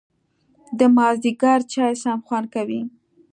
د مازیګر چای سم خوند کوي